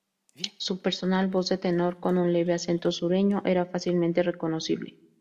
Su personal voz de tenor, con un leve acento sureño, era fácilmente reconocible.